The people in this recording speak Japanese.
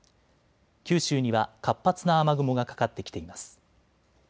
九州には活発な雨雲がかかってきています。